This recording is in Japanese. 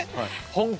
本気。